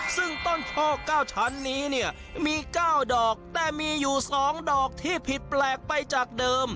ซึ่งต้นโพ๙ชั้นนี้เนี่ยมี๙ดอกแต่มีอยู่๒ดอกที่ผิดแปลกไปจากเดิม